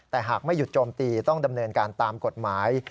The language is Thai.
แต่หากไม่หยุดโจมตีต้องดำเนินการตามกฎหมาย